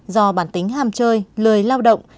do bản tính ham chơi lười lao động